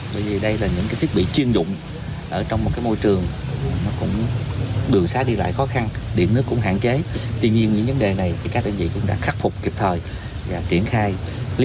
vì vậy không bị gián đoạn từ mấy ngày này